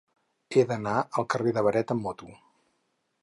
He d'anar al carrer de Beret amb moto.